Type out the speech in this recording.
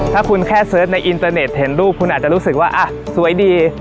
ถ้าคุณแค่เสิร์ชในอินเตอร์เน็ตเห็นรูปคุณอาจจะรู้สึกว่าสวยดี